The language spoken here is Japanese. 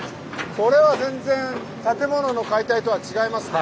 これは全然建物の解体とは違いますね。